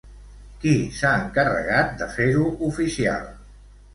Qui s'ha encarregat de fer-ho oficial?